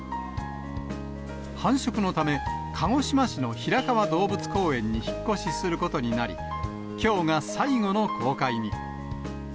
繁殖のため、鹿児島市の平川動物公園に引っ越しすることになり、きょうが最後の公開に。